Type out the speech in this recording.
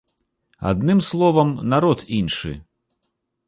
Адным словам, народ іншы.